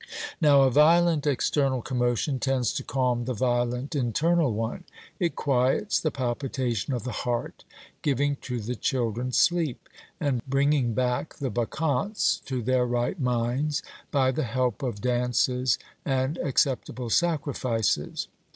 Now a violent external commotion tends to calm the violent internal one; it quiets the palpitation of the heart, giving to the children sleep, and bringing back the Bacchantes to their right minds by the help of dances and acceptable sacrifices.